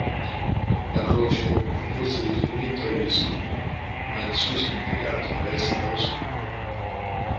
La croce fa forse riferimento ai vescovi, ma il suo significato resta oscuro.